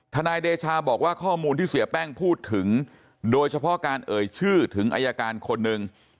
นายเดชาบอกว่าข้อมูลที่เสียแป้งพูดถึงโดยเฉพาะการเอ่ยชื่อถึงอายการคนหนึ่ง